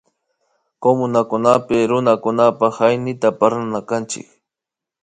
Kumunakunapik Runakunapak Hañiyta parlana kanchik